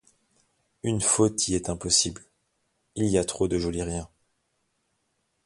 Une faute y est impossible : il y a trop de jolis riens.